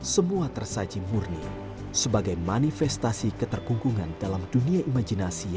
semua tersaji murni sebagai manifestasi keterkungkungan dalam dunia imajinasi